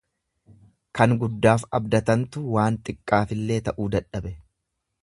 Kan guddaaf abdatantu waan xiqqaafillee ta'uu dadhabe.